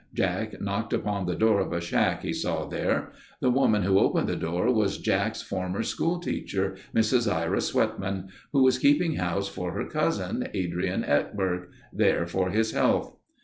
Jack knocked upon the door of a shack he saw there. The woman who opened the door was Jack's former school teacher, Mrs. Ira Sweatman, who was keeping house for her cousin, Adrian Egbert—there for his health.